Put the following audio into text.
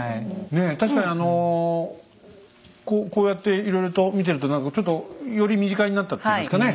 ねえ確かにこうやっていろいろと見てると何かちょっとより身近になったっていいますかね